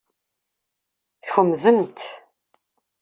Tkemzemt.